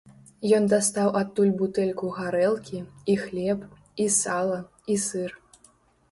Ён дастаў адтуль бутэльку гарэлкі, і хлеб, і сала, і сыр.